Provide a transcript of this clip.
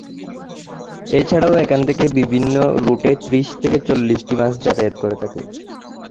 এছাড়াও এখান থেকে বিভিন্ন রুটে ত্রিশ থেকে চল্লিশটি বাস যাতায়াত করে থাকে।